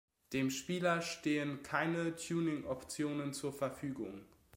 Dem Spieler stehen keine Tuning-Optionen zur Verfügung.